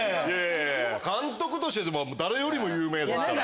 監督として誰よりも有名ですから。